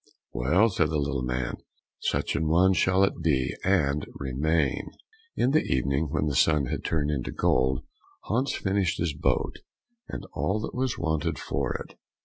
"Well," said the little man, "such an one shall it be, and remain." In the evening, when the sun had turned into gold, Hans finished his boat, and all that was wanted for it.